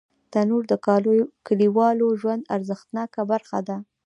تنور د کلیوالو ژوند ارزښتناکه برخه ده